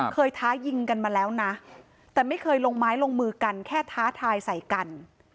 ท้ายิงกันมาแล้วนะแต่ไม่เคยลงไม้ลงมือกันแค่ท้าทายใส่กัน